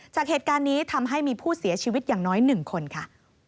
จากเหตุการณ์นี้ทำให้มีผู้เสียชีวิตอย่างน้อย๑คนค่ะ